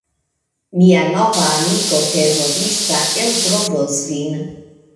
Mia nova amiko terorista eltrovos vin!